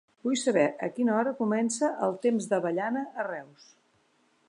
Vull saber a quina hora comença el "Temps d'avellana" a Reus.